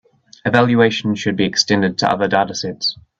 Evaluation should be extended to other datasets.